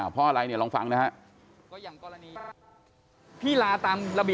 เพราะอะไรลองฟังนะครับ